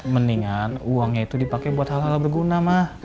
mendingan uangnya itu dipake buat hal hal berguna ma